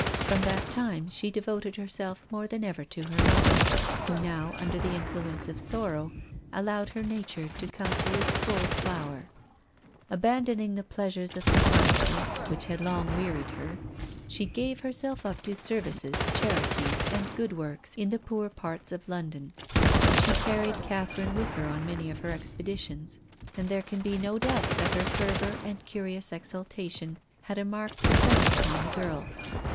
From that time she devoted herself more than ever to her mother, who now, under the influence of sorrow, allowed her nature to come to its full flower. Abandon " WILLIAM FOSTER." I47 ing the pleasures of society, which had long wearied her, she gave herself up to services, char ities and good works in the poor parts of London. She carried Catherine with her on many of her expeditions, and there can be no doubt that her fervour and curious exaltation had a marked effect upon the girl.